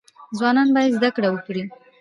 ځوانان باید زده کړه وکړي